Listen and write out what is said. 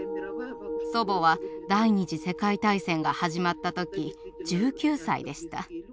祖母は第２次世界大戦が始まった時１９歳でした。